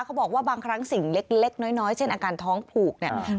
เขาบอกว่าบางครั้งสิ่งเล็กน้อยเช่นอาการท้องผูกเนี่ย